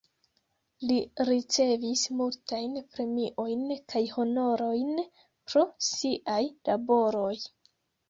Li ricevis multajn premiojn kaj honorojn pro siaj laboroj.